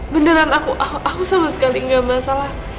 beneran aku sama sekali gak masalah